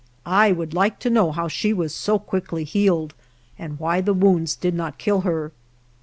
I would like to know how she was so quickly healed, and why the wounds did not kill her.